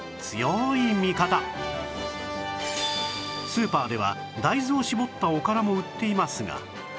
スーパーでは大豆を搾ったおからも売っていますが